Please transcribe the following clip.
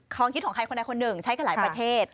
คิดของใครคนใดคนหนึ่งใช้กันหลายประเทศ